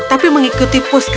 tapi mengikuti pus ke sungai